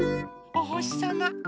おほしさま。